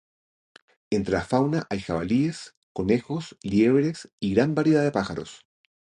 Entre la fauna hay jabalíes, conejos, liebres y gran variedad de pájaros.